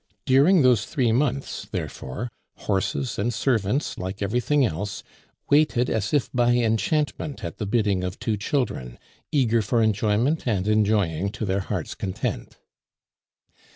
During those three months, therefore, horses and servants, like everything else, waited as if by enchantment at the bidding of two children, eager for enjoyment, and enjoying to their hearts' content.